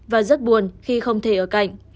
và rất buồn khi không thể ở cạnh